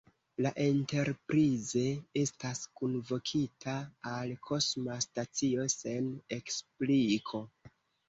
La Enterprise estas kunvokita al kosma stacio sen ekspliko.